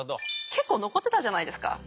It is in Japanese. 結構残ってたじゃないですか